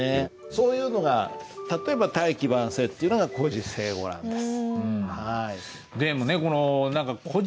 そういうのが例えば「大器晩成」っていうのが「故事成語」なんです。